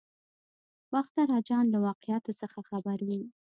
باختر اجان له واقعاتو څخه خبر وي.